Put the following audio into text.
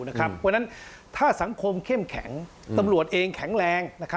เพราะฉะนั้นถ้าสังคมเข้มแข็งตำรวจเองแข็งแรง